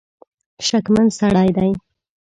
شکمن سړی دی.